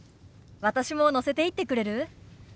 私も乗せていってくれる？